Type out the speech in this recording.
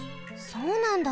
そうなんだ。